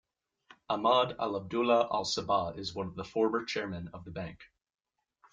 Ahmad Al Abdullah Al Sabah is one of the former chairmen of the bank.